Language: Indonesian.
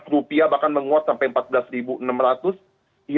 rupiah bahkan menguat sampai empat belas enam ratus